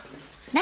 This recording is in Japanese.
何？